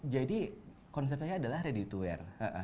jadi konsepnya adalah ready to wear